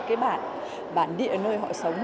cái bản địa nơi họ sống